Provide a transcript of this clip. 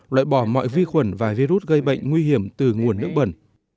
loại bỏ mọi vi khuẩn và virus gây bệnh nguy hiểm từ nguồn nước bẩn